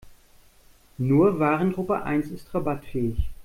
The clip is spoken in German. Nur Warengruppe eins ist rabattfähig.